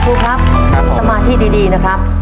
ครูครับสมาธิดีนะครับ